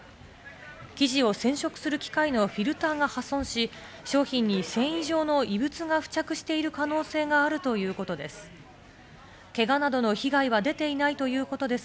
生地を染色する機械のフィルターが破損し、商品に繊維状の異物が付着している可能性があるということです。